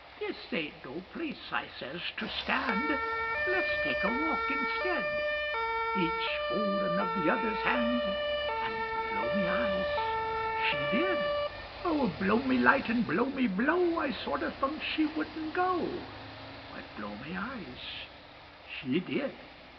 "This ain't no place," I says, "to stand Let's take a walk instid, Each holdin' of the other's hand" And, blow me eyes, she did! O, blow me light and blow me blow, I sort o' thunk she wouldn't go But, blow me eyes, she did!